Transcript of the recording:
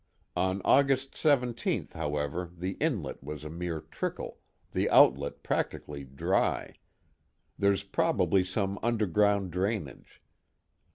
On August 17th, however, the inlet was a mere trickle, the outlet practically dry there's probably some underground drainage.